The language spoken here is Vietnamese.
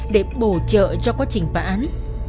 để bổ trợ cho quá trình phá án